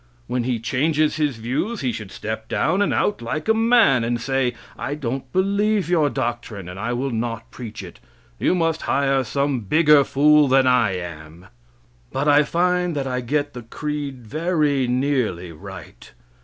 When he changes his views, he should step down and out like a man, and say: "I don't believe your doctrine, and I will not preach it. You must hire some bigger fool than I am." But I find that I get the creed very nearly right.